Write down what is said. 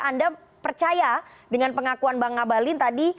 anda percaya dengan pengakuan bang ngabalin tadi